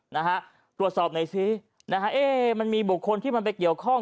นะฮะตรวจสอบหน่อยสินะฮะเอ๊มันมีบุคคลที่มันไปเกี่ยวข้อง